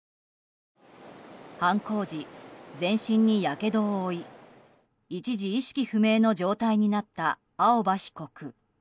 犯行時、全身にやけどを負い一時、意識不明の状態になった青葉被告。